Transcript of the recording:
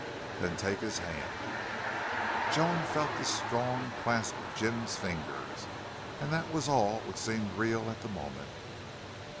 "Take his hand, then." Joan felt the strong clasp of Jim's fingers, and that was all which seemed real at the moment.